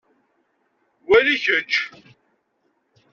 Wali kečč.